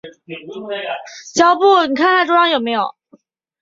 光叶巴豆为大戟科巴豆属下的一个种。